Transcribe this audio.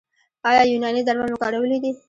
ایا یوناني درمل مو کارولي دي؟